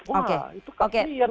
wah itu kasihan mereka